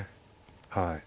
はい。